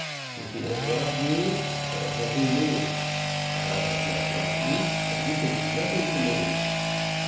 If he has robbed you, so has he me. But I have not robbed you, and you can do nothing to me."